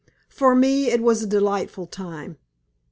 For me it was a delightful time.